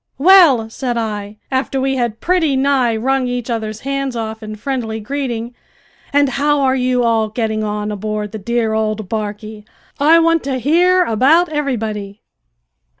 "Well," said I, after we had pretty nigh wrung each other's hands off in friendly greeting, "and how are you all getting on aboard the dear old barquey? I want to hear about everybody."